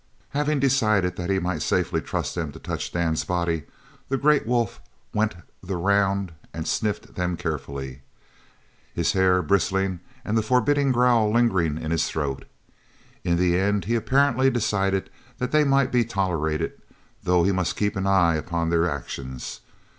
Having decided that he might safely trust them to touch Dan's body, the great wolf went the round and sniffed them carefully, his hair bristling and the forbidding growl lingering in his throat. In the end he apparently decided that they might be tolerated, though he must keep an eye upon their actions.